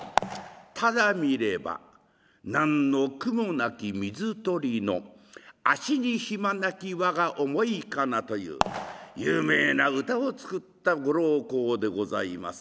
「ただ見れば何の苦もなき水鳥の足にひまなき我が思いかな」という有名な歌を作ったご老公でございます。